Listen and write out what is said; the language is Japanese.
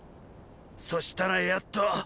そしたらやっと。